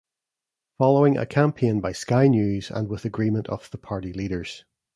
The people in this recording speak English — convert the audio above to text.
Following a campaign by Sky News and with agreement of the party leaders.